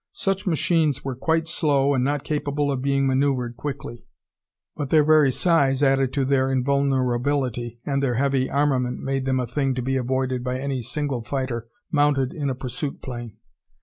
Such machines were quite slow and not capable of being manoeuvered quickly, but their very size added to their invulnerability and their heavy armament made them a thing to be avoided by any single fighter mounted in a pursuit plane.